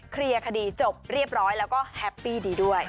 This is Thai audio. เคลียร์คดีจบเรียบร้อยแล้วก็แฮปปี้ดีด้วย